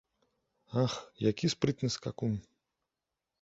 Ах, які спрытны скакун!